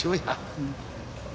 うん。